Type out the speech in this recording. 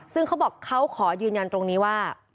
ซึ่งเขาบอกเขาขอยืนยันตรงนี้ว่า